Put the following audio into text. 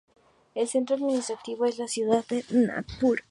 El centro administrativo es la ciudad de Nagpur.